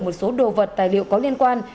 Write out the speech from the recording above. một số đồ vật tài liệu có liên quan